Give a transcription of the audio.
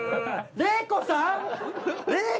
玲子さん。